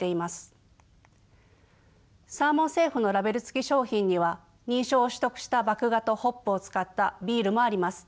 サーモン・セーフのラベル付き商品には認証を取得した麦芽とホップを使ったビールもあります。